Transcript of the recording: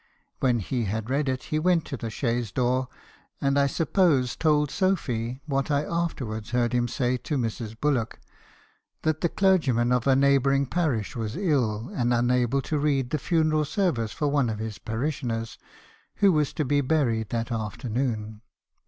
When he had read it, he went to the chaise door, and I suppose told Sophy, what I afterwards heard him MR. HARRISONS COSTFESSIONS. 257 say to Mrs. Bullock, that the clergyman of a neighbouring parish was ill, and unable to read the funeral service for one of his parishioners, who was to be buried that afternoon.